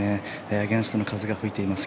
アゲンストの風が吹いています。